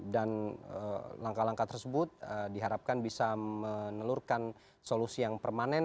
dan langkah langkah tersebut diharapkan bisa menelurkan solusi yang permanen